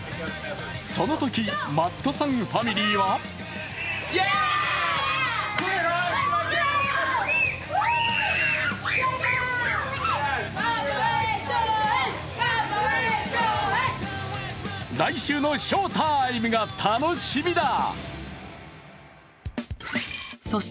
そのとき、マットさんファミリーは来週の翔タイムが楽しみだ。